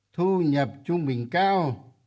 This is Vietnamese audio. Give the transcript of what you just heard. thu nhập trung bình cao